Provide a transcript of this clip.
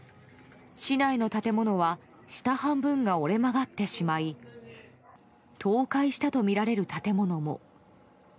市内の建物は下半分が折れ曲がってしまい倒壊したとみられる建物も。